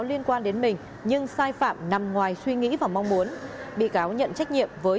liên quan đến mình nhưng sai phạm nằm ngoài suy nghĩ và mong muốn bị cáo nhận trách nhiệm với